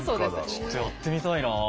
ちょっとやってみたいなあ。